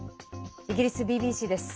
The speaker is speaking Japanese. イギリスＢＢＣです。